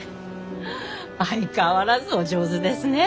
相変わらずお上手ですね。